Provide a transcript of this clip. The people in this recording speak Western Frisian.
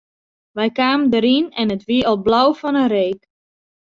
Wy kamen deryn en it wie al blau fan 'e reek.